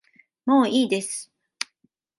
もういいです